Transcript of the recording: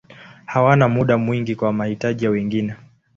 Hawana muda mwingi kwa mahitaji ya wengine.